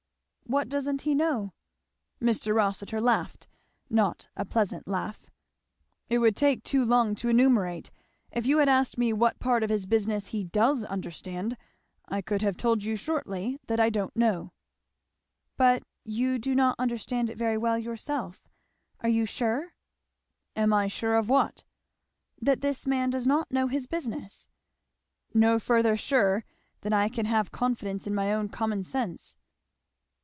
"What doesn't he know?" Mr. Rossitur laughed, not a pleasant laugh. "It would take too long to enumerate. If you had asked me what part of his business he does understand, I could have told you shortly that I don't know." "But you do not understand it very well yourself. Are you sure?" "Am I sure of what?" "That this man does not know his business?" "No further sure than I can have confidence in my own common sense."